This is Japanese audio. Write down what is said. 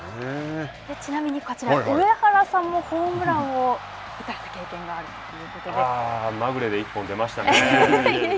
ちなみにこちら、上原さんもホームランを打たれた経験があるとまぐれで１本出ましたね。